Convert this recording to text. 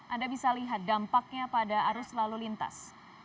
anda bisa lihat dampaknya pada arus lalu lintas